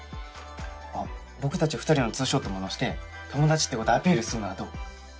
あっ僕たち２人のツーショットも載して友達ってことアピールするのはどう？